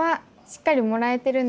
しっかりもらえてる？